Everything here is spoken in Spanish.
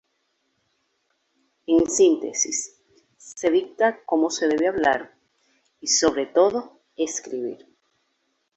En síntesis, se dicta cómo se debe hablar y, sobre todo, escribir.